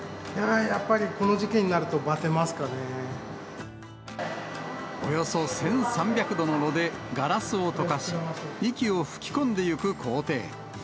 やっぱりこの時期になると、およそ１３００度の炉でガラスを溶かし、息を吹き込んでいく工程。